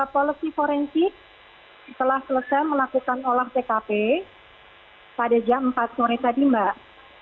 polisi forensik telah selesai melakukan olah tkp pada jam empat sore tadi mbak